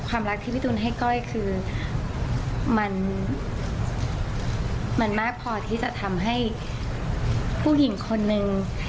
รักที่พี่ตูนให้ก้อยคือมันมากพอที่จะทำให้ผู้หญิงคนนึง